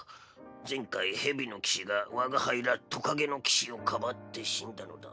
前回ヘビの騎士が我が輩らトカゲの騎士をかばって死んだのだ。